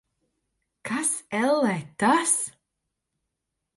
Kas, ellē, tas?